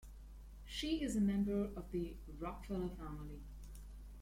She is a member of the Rockefeller family.